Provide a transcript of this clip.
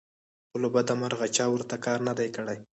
خو له بدمرغه چا ورته کار نه دى کړى